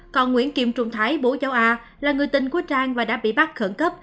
còn nguyễn kiêm trung thái bố cháu a là người tình của trang và đã bị bắt khẩn cấp